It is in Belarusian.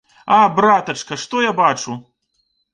А, братачка, што я бачу!